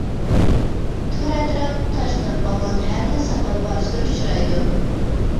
تۇر ئەتراپىدا تاشلىنىپ قالغان ھەر خىل ساپال پارچىلىرى ئۇچرايدۇ.